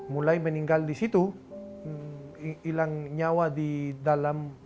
mulai meninggal di situ hilang nyawa di dalam